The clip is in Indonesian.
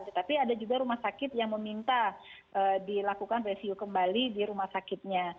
tetapi ada juga rumah sakit yang meminta dilakukan review kembali di rumah sakitnya